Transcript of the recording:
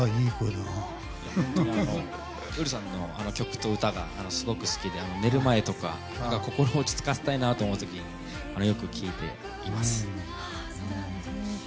Ｕｒｕさんの曲と歌がすごく好きで寝る前とか心落ち着かせたいなと思う時によく聴いていています。